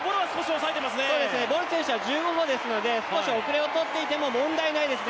ボル選手は１５歩ですので後れを取っていても問題ないです。